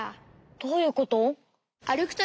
どういうこと？